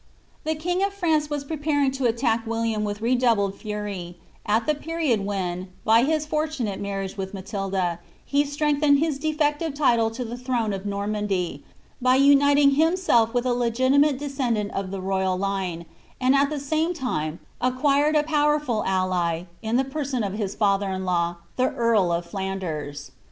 The king of France was preparing to attack William with redoubled fury^ at the period when, by his fortunate marriage with Matilda, he strengthened his defective title to the throne of Normandy, by uniting himself with a legitimate descendant of the royal line, and at the same time acquired a powerful ally, in the person of his father in law, the eail of Flanders.